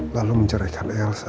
lalu menceraikan elsa